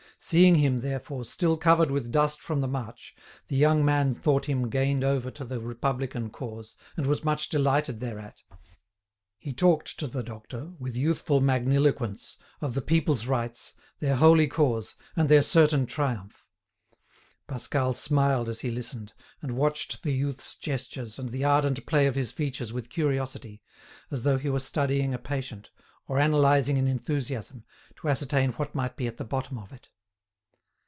Seeing him, therefore, still covered with dust from the march, the young man thought him gained over to the Republican cause, and was much delighted thereat. He talked to the doctor, with youthful magniloquence, of the people's rights, their holy cause, and their certain triumph. Pascal smiled as he listened, and watched the youth's gestures and the ardent play of his features with curiosity, as though he were studying a patient, or analysing an enthusiasm, to ascertain what might be at the bottom of it.